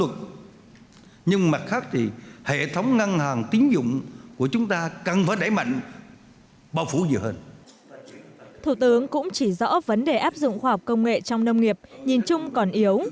thủ tướng cũng chỉ rõ vấn đề áp dụng khoa học công nghệ trong nông nghiệp nhìn chung còn yếu